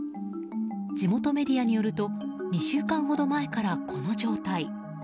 地元メディアによると２週間ほど前からこの状態。